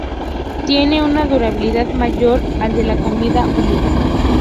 Tiene una durabilidad mayor al de la comida húmeda.